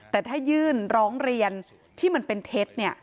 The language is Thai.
แต่ถ้ายื่นร้องเรียนที่มันเป็นเท็จ